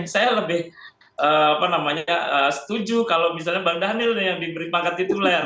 saya lebih apa namanya setuju kalau misalnya bang daniel yang diberi pangkat titular